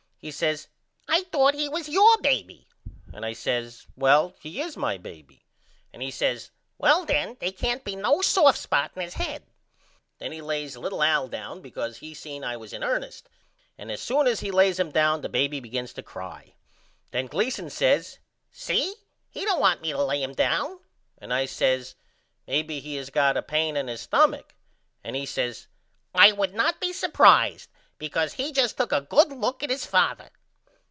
He says I thought he was your baby and I says Well he is my baby and he says Well then they can't be no soft spot in his head. Then he lays little Al down because he seen I was in ernest and as soon as he lays him down the baby begins to cry. Then Gleason says See he don't want me to lay him down and I says Maybe he has got a pane in his stumach and he says I would not be supprised because he just took a good look at his father.